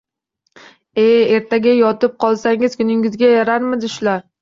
E-e, ertaga yotib qolsangiz kuningizga yararmidi shular